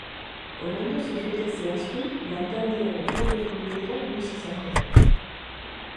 Oraingoz ez dute zehaztu lantaldearen hurrengo bilera noiz izango den.